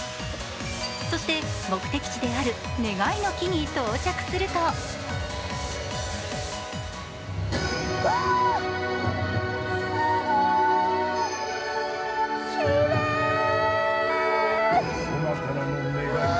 そして目的地である願いの木に到着するとうわ、すごい！